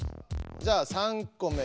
じゃあ３個目。